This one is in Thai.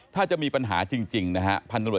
ถ้าจะมีปัญหาจริงนะฮะ